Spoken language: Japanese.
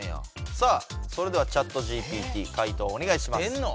さあそれではＣｈａｔＧＰＴ回答をおねがいします。